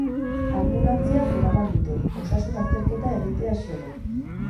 Anbulantziaz eraman dute, osasun-azterketa egitea xede.